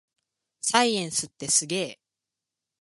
サイエンスってすげぇ